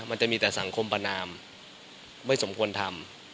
มันจะมีแต่สังคมประนามไม่สมควรทำ